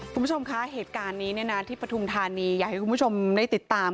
คุณผู้ชมคะเหตุการณ์นี้เนี่ยนะที่ปฐุมธานีอยากให้คุณผู้ชมได้ติดตาม